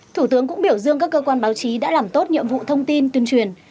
thủ tướng cũng biểu dương các cơ quan báo chí đã làm tốt nhiệm vụ thông tin tuyên truyền